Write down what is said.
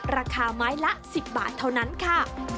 ราคาไม้ละ๑๐บาทเท่านั้นค่ะ